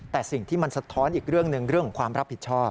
แต่สิ่งที่มันสะท้อนอีกเรื่องหนึ่งเรื่องของความรับผิดชอบ